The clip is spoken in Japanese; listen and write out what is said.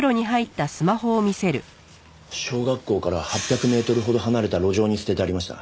小学校から８００メートルほど離れた路上に捨ててありました。